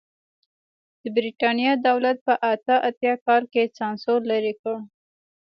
د برېټانیا دولت په اته اتیا کال کې سانسور لرې کړ.